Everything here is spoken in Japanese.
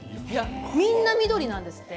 みんな緑なんです。